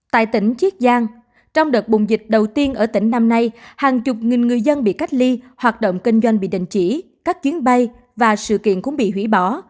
tại tỉnh chiết giang trong đợt bùng dịch đầu tiên ở tỉnh năm nay hàng chục nghìn người dân bị cách ly hoạt động kinh doanh bị đình chỉ các chuyến bay và sự kiện cũng bị hủy bỏ